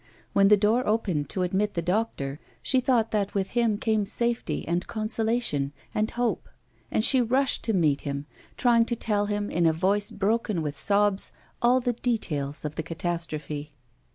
When the door opened to admit the doctor, she thought that with him came safety and con solation and hope, and she rushed to meet him, trying to tell him, in a voice broken with sobs, all the details of the catastrophe.